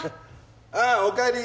ああお帰り